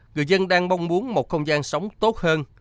người dân đang mong muốn một không gian sống tốt hơn